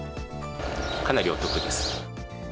かなりお得です。